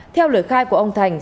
theo lời khai của ông thành